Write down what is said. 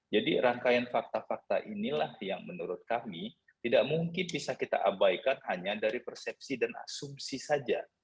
jadi rangkaian fakta fakta inilah yang menurut kami tidak mungkin bisa kita abaikan hanya dari persepsi dan asumsi saja